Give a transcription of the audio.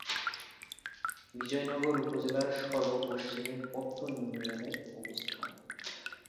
বিজয়নগর উপজেলার সর্ব-পশ্চিমে পত্তন ইউনিয়নের অবস্থান।